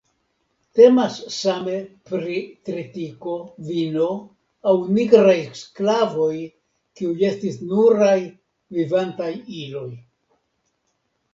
Temas same pri tritiko, vino, aŭ nigraj sklavoj, kiuj estis nuraj "vivantaj iloj".